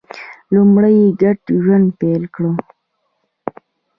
لومړی یې ګډ ژوند پیل کړ.